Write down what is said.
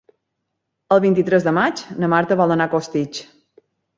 El vint-i-tres de maig na Marta vol anar a Costitx.